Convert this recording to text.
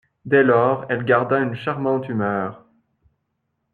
Dès lors elle garda une charmante humeur.